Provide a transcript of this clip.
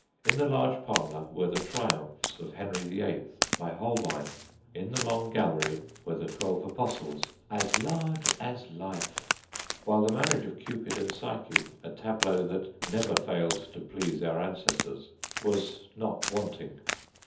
In the large parlour were the triumphs of Henry VIII. by Holbein. In the long gallery were the Twelve Apostles "as large as life"; while the marriage of Cupid and Psyche, a tableau that never failed to please our ancestors, was not wanting.